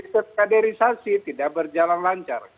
kaderisasi tidak berjalan lancar